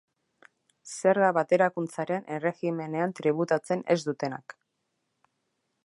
Zerga-baterakuntzaren erregimenean tributatzen ez dutenak.